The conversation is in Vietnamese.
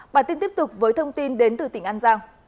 bản tin tiếp tục với thông tin đến từ tỉnh an giang